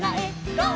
ゴー！」